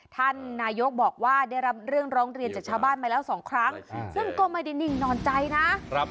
ท่านนายกบอกว่าได้รับเรื่องร้องเรียนจากชาวบ้านมาแล้วสองครั้งซึ่งก็ไม่ได้นิ่งนอนใจนะ